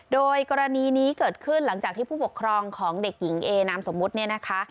โดยกรณีนี้เกิดขึ้นหลังจากที่ผู้ปกครองของเด็กหญิงเอนามสมมุติเนี่ยนะคะ